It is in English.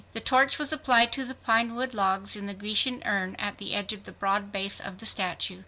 The torch was applied to the pine wood logs in the Grecian Urn at the edge of the broad base of the statue.